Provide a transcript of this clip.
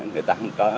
người ta không có